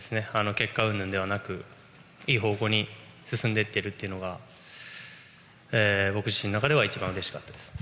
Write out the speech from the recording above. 結果うんぬんではなくいい方向に進んでいっているというのが僕自身の中では一番うれしかったです。